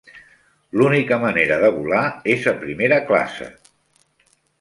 L'única manera de volar és a primera classe.